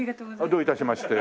どういたしまして。